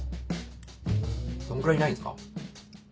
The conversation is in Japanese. どんぐらいいないんすか？